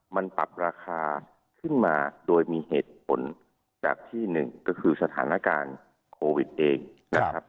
มันปรับราคาขึ้นมาโดยมีเหตุผลแบบที่หนึ่งก็คือสถานการณ์โควิดเองนะครับ